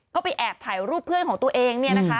ก็ไปแอบถ่ายรูปเพื่อนของตัวเอง